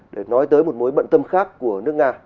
để nói tới một mối bận tâm khác của nước nga